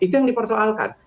itu yang dipersoalkan